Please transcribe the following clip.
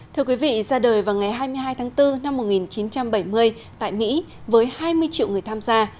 thưa quý vị ra đời vào ngày hai mươi hai tháng bốn năm một nghìn chín trăm bảy mươi tại mỹ với hai mươi triệu người tham gia